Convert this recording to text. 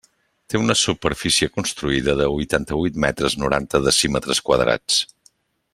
Té una superfície construïda de huitanta-huit metres, noranta decímetres quadrats.